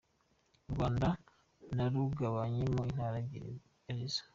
u Rwanda narugabanyamo intara ebyiri arizo: